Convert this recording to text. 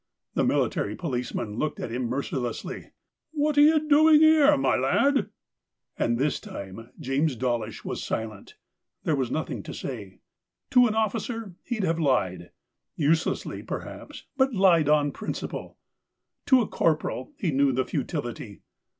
The Military Policeman looked at him mercilessly. " What are you doing 'ere, my lad ?" And this time James Dawlish was silent : there was nothing to say. To an officer he'd have lied, uselessly, perhaps, but lied on principle : to a corporal he knew the futility.